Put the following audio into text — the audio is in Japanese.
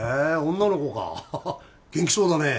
女の子か元気そうだねえ